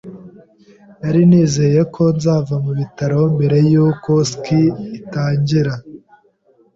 Nari nizeye ko nzava mu bitaro mbere yuko ski itangira.